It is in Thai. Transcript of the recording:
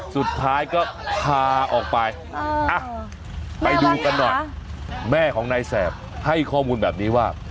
สุดท้ายก็พาออกไปไปดูกันหน่อยแม่ของนายแสบให้ข้อมูลแบบนี้ว่า